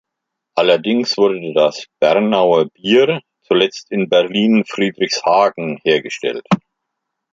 Allerdings wurde das „Bernauer Bier“ zuletzt in Berlin-Friedrichshagen hergestellt.